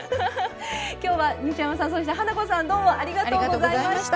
今日は西山さんそして花子さんどうもありがとうございました。